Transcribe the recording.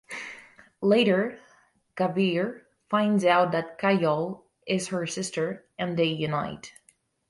Later Kabir finds out that Kajol is her sister and they unite.